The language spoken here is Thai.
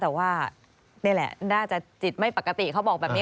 แต่ว่านี่แหละน่าจะจิตไม่ปกติเขาบอกแบบนี้